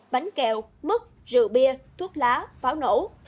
bánh kẹo mứt rượu bia thuốc lá pháo nổ